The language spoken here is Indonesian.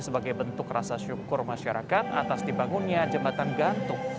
sebagai bentuk rasa syukur masyarakat atas dibangunnya jembatan gantung